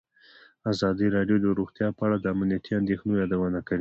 ازادي راډیو د روغتیا په اړه د امنیتي اندېښنو یادونه کړې.